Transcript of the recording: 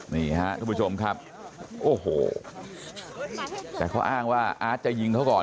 นี่ฮะทุกผู้ชมครับโอ้โหแต่เขาอ้างว่าอาร์ตจะยิงเขาก่อน